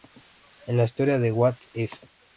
En la historia de "What If?